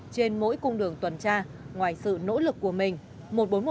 trên mỗi cung đường tuần tra ngoài sự nỗ lực của mình